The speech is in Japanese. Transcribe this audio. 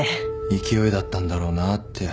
勢いだったんだろうなって。